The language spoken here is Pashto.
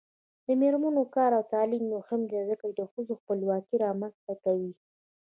د میرمنو کار او تعلیم مهم دی ځکه چې ښځو خپلواکي رامنځته کوي.